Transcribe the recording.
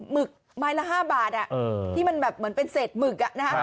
หึกไม้ละ๕บาทที่มันแบบเหมือนเป็นเศษหมึก